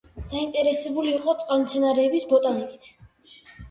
დაინტერესებული იყო წყალმცენარეების ბოტანიკით.